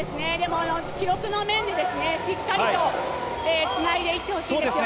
記録の面でしっかりとつないでいってほしいですね。